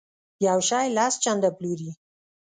یو شی لس چنده پلوري.